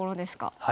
はい。